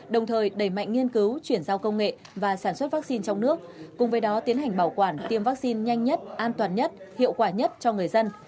đồng thời đẩy mạnh nghiên cứu chuyển giao công nghệ và sản xuất vaccine trong nước cùng với đó tiến hành bảo quản tiêm vaccine nhanh nhất an toàn nhất hiệu quả nhất cho người dân